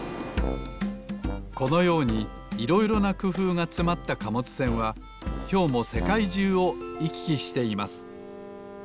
このようにいろいろなくふうがつまった貨物船はきょうもせかいじゅうをいききしています